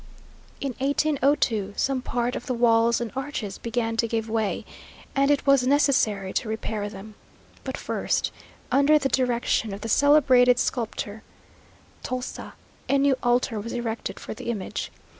In 1802 some part of the walls and arches began to give way and it was necessary to repair them. But first, under the direction of the celebrated sculptor Tolsa, a new altar was erected for the image.